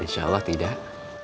insya allah tidak